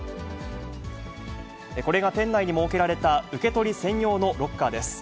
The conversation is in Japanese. これが店内に設けられた、受け取り専用のロッカーです。